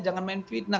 jangan main fitnah